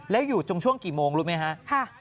และอยู่ตรงช่วงกี่โมงรู้ไหมฮะค่ะ